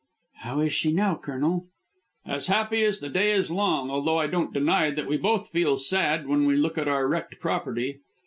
"How is she now, Colonel?" "As happy as the day is long, although I don't deny that we both feel sad when we look at our wrecked property.